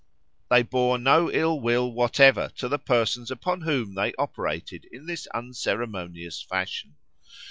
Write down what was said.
They bore no ill will whatever to the persons upon whom they operated in this unceremonious fashion.